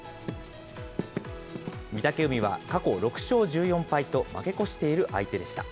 御嶽海は過去６勝１４敗と負け越している相手でした。